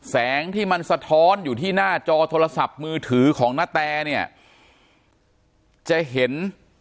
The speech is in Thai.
แสงที่มันสะท้อนอยู่ที่หน้าจอโทรศัพท์มือถือของนาแตเนี่ยจะเห็น